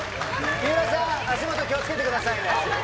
水卜さん、足元気をつけてくださいね。